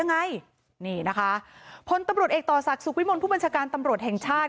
ยังไงนี่นะคะพลตำรวจเอกต่อศักดิ์สุขวิมลผู้บัญชาการตำรวจแห่งชาติ